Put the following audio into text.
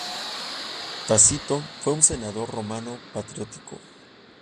Tácito fue un senador romano patriótico.